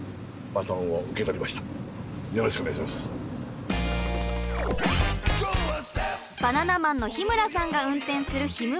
バナナマンの日村さんが運転するひむ